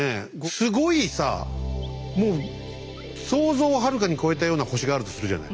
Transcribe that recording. すごいさもう想像をはるかに超えたような星があるとするじゃない。